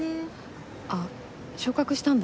あっ昇格したんだ？